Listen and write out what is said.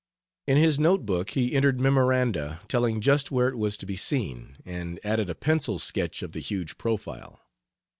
In his note book he entered memoranda telling just where it was to be seen, and added a pencil sketch of the huge profile.